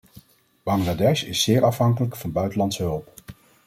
Bangladesh is zeer afhankelijk van buitenlandse hulp.